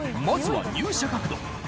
まずは入車角度